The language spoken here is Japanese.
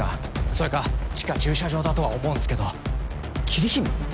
それか地下駐車場だとは思うんすけど桐姫？